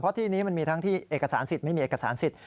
เพราะที่นี้มันมีทั้งที่เอกสารสิทธิ์ไม่มีเอกสารสิทธิ